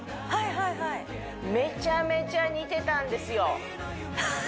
はいはいめちゃめちゃ似てたんですよハハハ